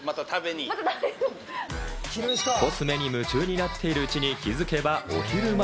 コスメに夢中になっているうちに気づけばもうお昼前。